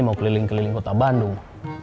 mau keliling keliling kota bandung